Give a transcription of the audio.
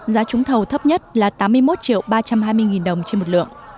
giá trúng thầu thấp nhất là tám mươi một ba trăm hai mươi đồng trên một lượng